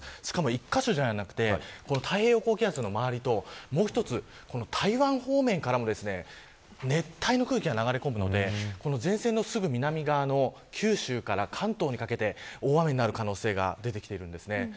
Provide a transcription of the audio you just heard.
１カ所ではなくて太平洋高気圧の周りともう１つ台湾方面からも熱帯の空気が流れ込むので前線のすぐ南側の九州から関東にかけて大雨になる可能性が出てきています。